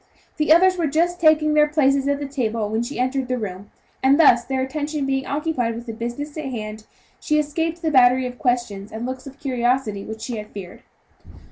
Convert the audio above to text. The others were just taking their places at the table when she entered the room, and thus, their attention being occupied with the business in hand, she escaped the battery of questions and looks of curiosity which she had feared.